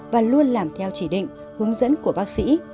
và luôn làm theo chỉ định hướng dẫn của bác sĩ